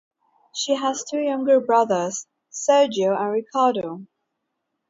She has two younger brothers, Sergio and Ricardo.